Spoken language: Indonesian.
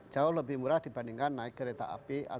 jauh lebih murah dibandingkan naik kereta api